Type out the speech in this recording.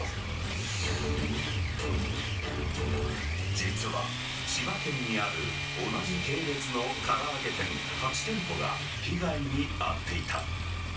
実は千葉県にある同じ系列の唐揚げ店８店舗が被害に遭っていた。